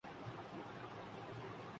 مگر ان جوانوں کی شہادت کو کسی نے یاد نہیں کیا